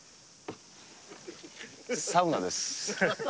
サウナです。